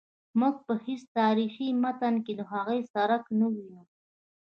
موږ په هیڅ تاریخي متن کې د هغوی څرک نه وینو.